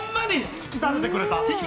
引き立ててくれた。